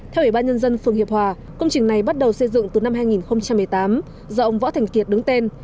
theo ủy ban nhân dân phường hiệp hòa công trình này bắt đầu xây dựng từ năm hai nghìn một mươi tám do ông võ thành kiệt đứng tên